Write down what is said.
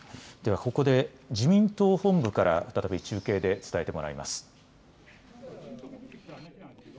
ここで自民党本部から中継で伝えてもらいます。